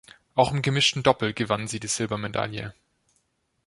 Auch im gemischten Doppel gewann sie die Silbermedaille.